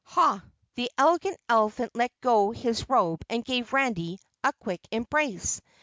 "HAH!" The Elegant Elephant let go his robe and gave Randy a quick embrace.